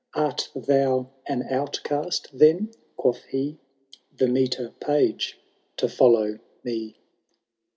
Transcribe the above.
Art thou an outcast, then ?*' quoth he ;The meeter page to follow me."